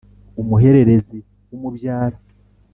umuhererezi w’umbyara